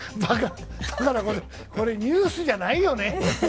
ばかなこと、これ、ニュースじゃないよね。